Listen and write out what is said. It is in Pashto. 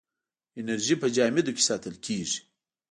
انرژي په جامدو کې ساتل کېږي.